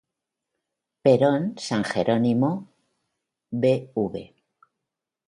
Perón- San Jerónimo- Bv.